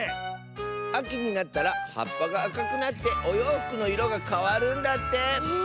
あきになったらはっぱがあかくなっておようふくのいろがかわるんだって！